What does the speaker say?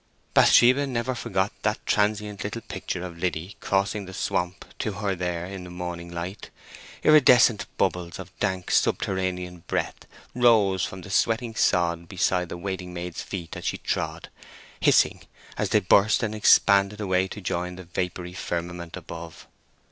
Bathsheba never forgot that transient little picture of Liddy crossing the swamp to her there in the morning light. Iridescent bubbles of dank subterranean breath rose from the sweating sod beside the waiting maid's feet as she trod, hissing as they burst and expanded away to join the vapoury firmament above.